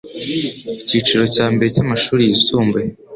icyiciro cya mbere cy'amashuri yisumbuye